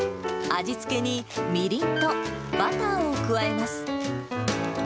味付けにみりんとバターを加えます。